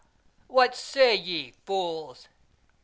what say ye, fools?"